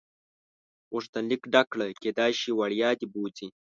غوښتنلیک ډک کړه کېدای شي وړیا دې بوځي.